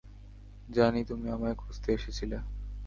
জানি তুমি আমায় খুঁজতে এসেছিলে।